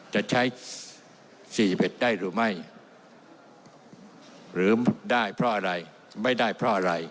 จะใช้๔๑ได้หรือไม่หรือได้เพราะอะไรไม่ได้เพราะอะไร